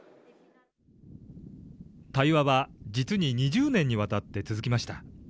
対話は、実に２０年にわたって続きました。